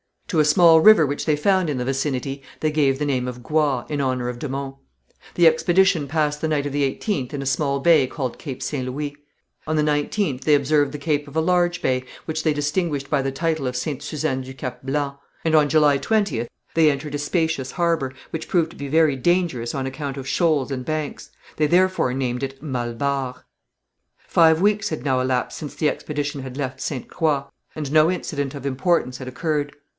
To a small river which they found in the vicinity they gave the name of Gua, in honour of de Monts. The expedition passed the night of the 18th in a small bay called Cape St. Louis. On the 19th they observed the cape of a large bay, which they distinguished by the title of Ste. Suzanne du Cap Blanc, and on July 20th they entered a spacious harbour, which proved to be very dangerous on account of shoals and banks; they therefore named it Mallebarre. Five weeks had now elapsed since the expedition had left Ste. Croix, and no incident of importance had occurred.